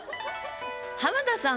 浜田さん